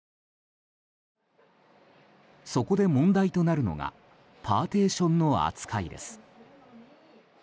そこで問題となるのがパーティションの扱いです。